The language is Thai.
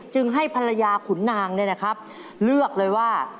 จึงให้ภรรยาขุนนางนี่นะครับเลือกเลยว่า